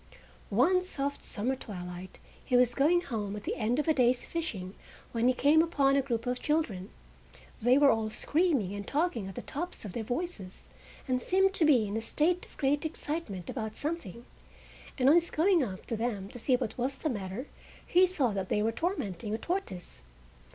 One soft summer twilight he was going home at the end of a day's fishing when he came upon a group of children. They were all screaming and talking at the tops of their voices, and seemed to be in a state of great excitement about something, and on his going up to them to see what was the matter he saw that they were tormenting a tortoise.